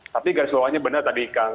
tapi garis bawahnya benar tadi kang